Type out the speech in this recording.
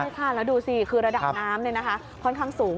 ใช่ค่ะแล้วดูสิคือระดับน้ำค่อนข้างสูง